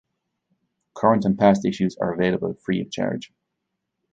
Current and past issues are available free of charge.